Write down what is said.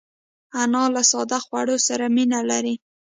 انا له ساده خوړو سره مینه لري